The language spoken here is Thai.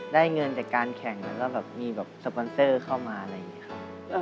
ได้เงินจากการแข่งแล้วก็แบบมีแบบสปอนเซอร์เข้ามาอะไรอย่างนี้ครับ